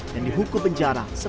dan dihukum penjara